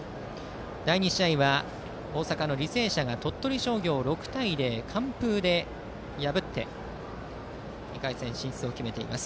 第２試合は大阪の履正社が鳥取商業を６対０、完封で破って２回戦進出を決めています。